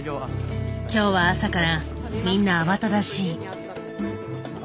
今日は朝からみんな慌ただしい。